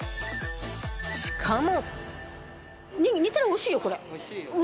しかも。